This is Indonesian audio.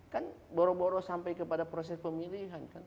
kan boro boro sampai kepada proses pemilihan kan